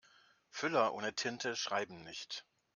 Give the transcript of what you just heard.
Füller ohne Tinte schreiben nicht.